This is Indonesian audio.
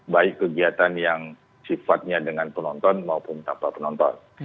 baik kegiatan yang sifatnya dengan penonton maupun tanpa penonton